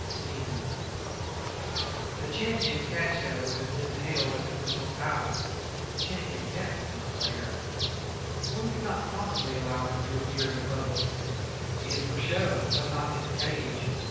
V CATS The Champion Cat Show has been held at the Crystal Palace, but the champion cat was not there. One could not possibly allow him to appear in public. He is for show, but not in a cage.